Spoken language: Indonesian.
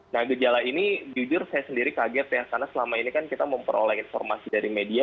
nah gejala ini jujur saya sendiri kaget ya karena selama ini kan kita memperoleh informasi dari media